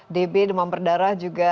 db demam berdarah juga